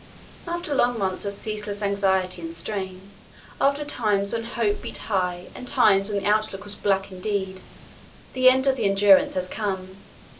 "After long months of ceaseless anxiety and strain, after times when hope beat high and times when the outlook was black indeed, the end of the Endurance has come.